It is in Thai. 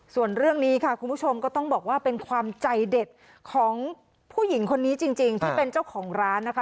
ส่วนเรื่องนี้ค่ะคุณผู้ชมก็ต้องบอกว่าเป็นความใจเด็ดของผู้หญิงคนนี้จริงที่เป็นเจ้าของร้านนะคะ